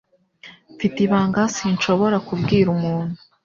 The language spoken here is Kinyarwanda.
Mfite ibanga sinshobora kubwira umuntu.